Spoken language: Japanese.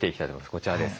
こちらです。